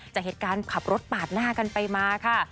จากเหตุการณ์ขับรถปาดหน้ากันไปมาค่ะ